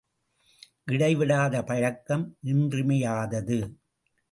இடைவிடாத பழக்கம் இன்றியமையாதது.